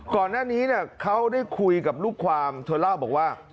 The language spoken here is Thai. ก่อนหน้านี้เขาได้คุยกับลูกความเธอเล่าบอกว่า